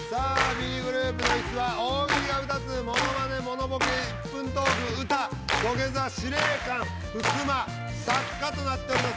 Ｂグループのイスは大喜利が２つモノマネモノボケ１分トーク歌土下座司令官ふすま作家となっております。